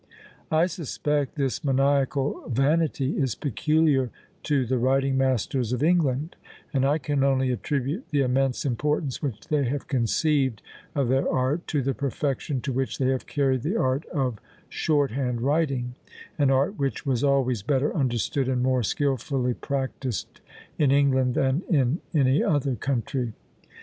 I suspect this maniacal vanity is peculiar to the writing masters of England; and I can only attribute the immense importance which they have conceived of their art to the perfection to which they have carried the art of short hand writing; an art which was always better understood, and more skilfully practised, in England than in any other country.